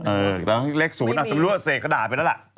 เออต้องเลขสูตรถ้าไม่รู้ว่าเสกก็ด่าไปแล้วล่ะ